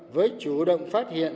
với chủ động phát hiện